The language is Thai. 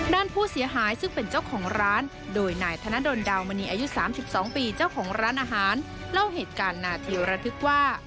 ด้านผู้เสียหายซึ่งเป็นเจ้าของร้านโดยนายธนดลดาวมณีอายุ๓๒ปีเจ้าของร้านอาหารเล่าเหตุการณ์นาทีระทึกว่า